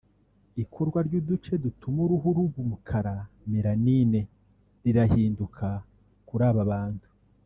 ikorwa ry’uduce dutuma uruhu ruba umukara (melanine) rirahinduka kuri aba bantu